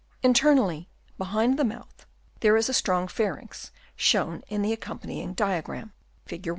Internally, behind the mouth, there is a strong pharynx, shown in the ac companying diagram (Fig.